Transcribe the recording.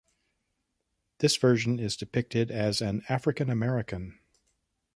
This version is depicted as an African American.